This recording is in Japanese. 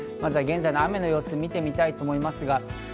現在の雨の様子を見てみたいと思います。